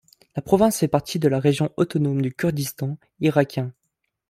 La province fait partie de la région autonome du Kurdistan irakien.